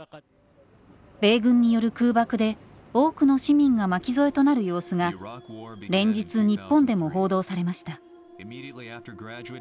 米軍による空爆で多くの市民が巻き添えとなる様子が連日日本でも報道されました。